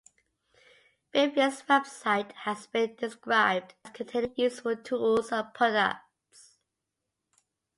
Fravia's website has been described as containing "useful tools and products".